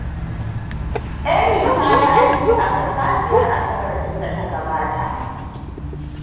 Amy ta yi aiki a farfajiyar Asabar ɗin da ta gabata.